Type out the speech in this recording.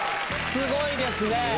すごいですね。